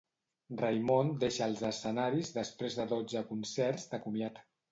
Raimon deixa els escenaris després de dotze concerts de comiat.